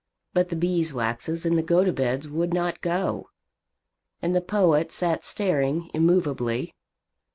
But the Beeswaxes and the Gotobeds would not go, and the poet sat staring immovably.